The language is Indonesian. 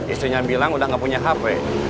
istrinya bilang udah gak punya hp